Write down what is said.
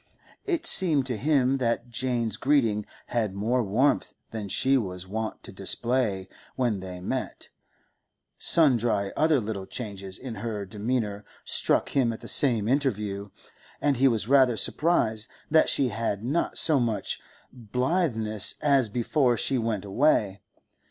It seemed to him that Jane's greeting had more warmth than she was wont to display when they met; sundry other little changes in her demeanour struck him at the same interview, and he was rather surprised that she had not so much blitheness as before she went away.